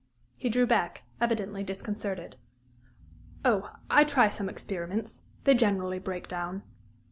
He drew back, evidently disconcerted. "Oh, I try some experiments. They generally break down."